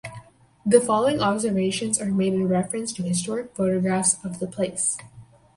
The following observations are made in reference to historic photographs of the place.